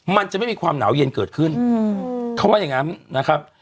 มันจะไม่มีความหนาวเย็นเกิดขึ้นเขาว่าอย่างงั้นนะครับ